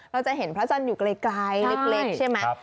เราจะเห็นพระจันทร์อยู่ไกลเล็กใช่ไหม